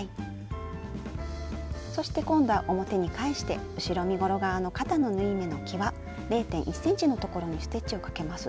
そして今度は表に返して後ろ身ごろ側の肩の縫い目のきわ０．１ｃｍのところにステッチをかけます。